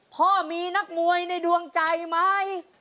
พ่อมีนักมวยในดวงใจไหม